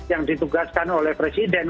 yang ditugaskan oleh presiden